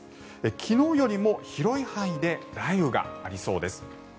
昨日よりも広い範囲で雷雨がありそうです。